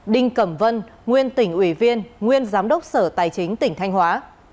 đinh cẩm vân nguyên tỉnh ủy viên nguyên giám đốc sở tài chính tỉnh thanh hóa